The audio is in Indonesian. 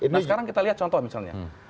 nah sekarang kita lihat contoh misalnya